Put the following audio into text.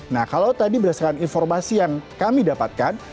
nah kalau tadi berdasarkan informasi yang kami dapatkan